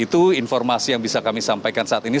itu informasi yang bisa kami sampaikan saat ini